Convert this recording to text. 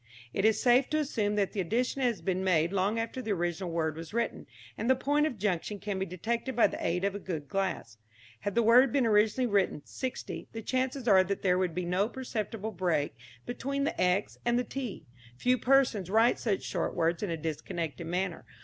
It is safe to assume that the addition has been made long after the original word was written, and the point of junction can be detected by the aid of a good glass. Had the word been originally written sixty, the chances are that there would be no perceptible break between the x and the t. Few persons write such short words in a disconnected manner.